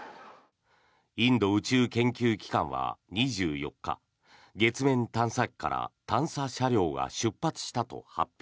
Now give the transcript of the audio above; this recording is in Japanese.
インド宇宙研究機関は２４日月面探査機から探査車両が出発したと発表。